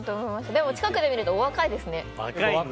でも近くで見るとお若いですね。